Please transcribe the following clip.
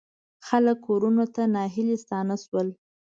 خلک کورونو ته ناهیلي ستانه شول.